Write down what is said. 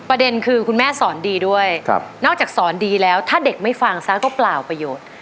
ประเด็นคือคุณแม่สอนดีด้วยนอกจากสอนดีแล้วถ้าเด็กไม่ฟังซะก็เปล่าประโยชน์